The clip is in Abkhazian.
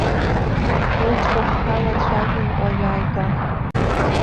Уӡбахә ҳалацәажәон уажәааигәа.